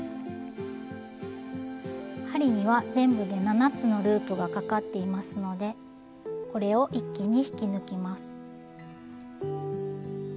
針には全部で７つのループがかかっていますのでこれを一気に引き抜きます。